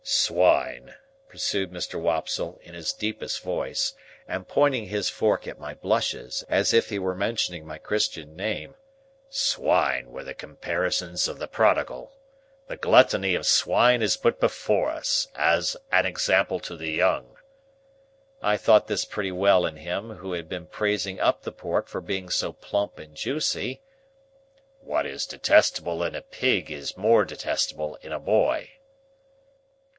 "Swine," pursued Mr. Wopsle, in his deepest voice, and pointing his fork at my blushes, as if he were mentioning my Christian name,—"swine were the companions of the prodigal. The gluttony of Swine is put before us, as an example to the young." (I thought this pretty well in him who had been praising up the pork for being so plump and juicy.) "What is detestable in a pig is more detestable in a boy."